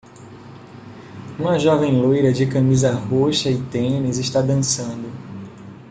Uma jovem loira de camisa roxa e tênis está dançando.